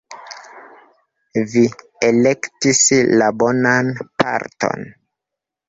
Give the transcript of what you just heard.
Vi elektis la bonan parton!